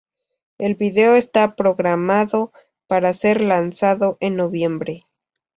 El video está programado para ser lanzado en noviembre.